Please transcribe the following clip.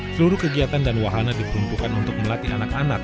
seluruh kegiatan dan wahana diperuntukkan untuk melatih anak anak